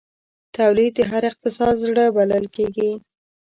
تولید د هر اقتصاد زړه بلل کېږي.